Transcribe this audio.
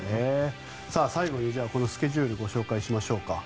最後にスケジュールご紹介しましょうか。